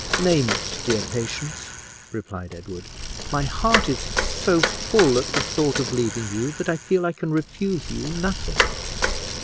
"Name it, dear Patience," replied Edward; "my heart is so full at the thought of leaving you, that I feel I can refuse you nothing."